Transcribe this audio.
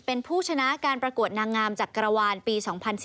เป็นผู้ชนะการประกวดนางงามจักรวาลปี๒๐๑๙